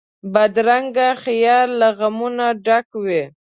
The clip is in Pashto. بدرنګه خیال له غمونو ډک وي